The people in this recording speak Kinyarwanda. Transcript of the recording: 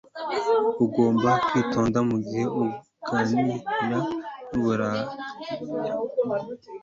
Ugomba kwitonda mugihe uganira nu Burayi